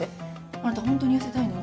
あなたほんとに痩せたいの？